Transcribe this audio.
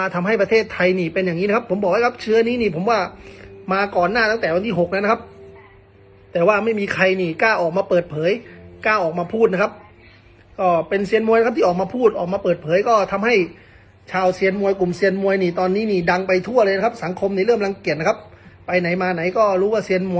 ทำให้ประเทศไทยนี่เป็นอย่างนี้นะครับผมบอกแล้วครับเชื้อนี้นี่ผมว่ามาก่อนหน้าตั้งแต่วันที่๖แล้วนะครับแต่ว่าไม่มีใครนี่กล้าออกมาเปิดเผยกล้าออกมาพูดนะครับก็เป็นเซียนมวยนะครับที่ออกมาพูดออกมาเปิดเผยก็ทำให้ชาวเซียนมวยกลุ่มเซียนมวยนี่ตอนนี้นี่ดังไปทั่วเลยนะครับสังคมนี้เริ่มรังเกียจนะครับไปไหนมาไหนก็รู้ว่าเซียนมวย